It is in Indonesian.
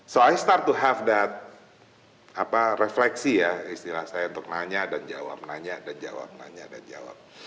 soalnya start to have that refleksi ya istilah saya untuk nanya dan jawab nanya dan jawab nanya dan jawab